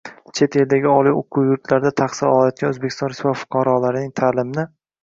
Chet eldagi oliy o‘quv yurtlarida tahsil olayotgan O‘zbekiston Respublikasi fuqarolarining ta’limni